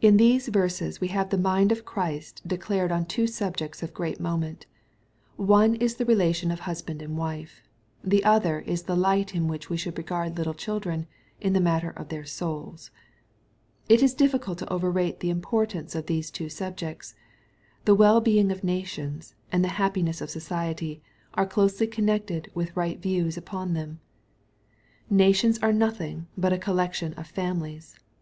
In these verses we have the mind of Christ declared on two subjects of great moment. One is the relation of husband and wife. The other is the Kght in which we should regard little children, in the matter of their souls. It is difficult to overrate the importance of these two subjects. The well being of nations, and the happiness of society, are closely connected with right views upon them. Nations are nothing but a collection of families.